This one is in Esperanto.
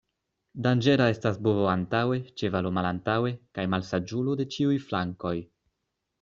Danĝera estas bovo antaŭe, ĉevalo malantaŭe, kaj malsaĝulo de ĉiuj flankoj.